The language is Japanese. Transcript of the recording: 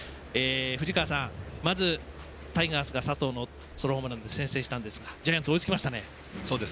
藤川さん、まずタイガースが佐藤のソロホームランで先制したんですがジャイアンツ追いつきましたね。